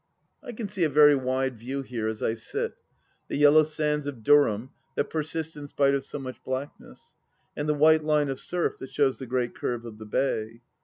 I can see a very wide view here as I sit — ^the yellow sands of Durham that persist in spite of so much blackness, and the white line of surf that shows the great curve of the bay.